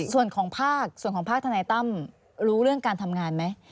ส่วนของภาคระท่านไนต้ำรู้เรื่องการทำงานไหม